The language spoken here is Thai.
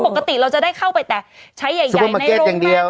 ปกติเราจะได้เข้าไปแต่ใช้ใหญ่ในโรมาเก็ตแห่งเดียว